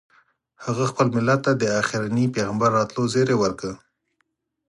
هغه خپل ملت ته د اخرني پیغمبر راتلو زیری ورکړ.